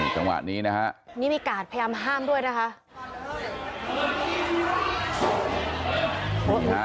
เขาก็กัดกลับนะ